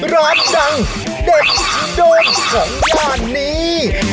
ร้านดังเด็ดโดนของงานนี้